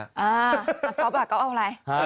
อ่าต่างครับว่าก็เอาอะไร